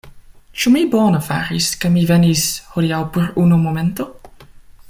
Ĉu mi bone faris, ke mi venis, hodiaŭ por unu momento?